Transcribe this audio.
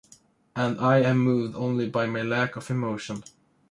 And I am moved only by my lack of emotion.